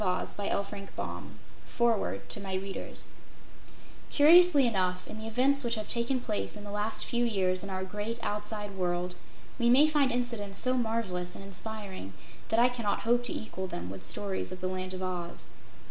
The Fountain of Oblivion To My Readers Curiously enough, in the events which have taken place in the last few years in our "great outside world," we may find incidents so marvelous and inspiring that I cannot hope to equal them with stories of The Land of Oz.